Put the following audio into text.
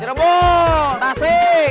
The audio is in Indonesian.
cirebon tasik semarang